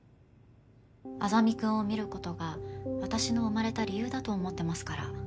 莇君を見ることが私の生まれた理由だと思ってますから。